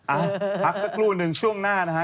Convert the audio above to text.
พักสักครู่หนึ่งช่วงหน้านะฮะ